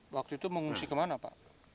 waktu itu mengungsi kemana pak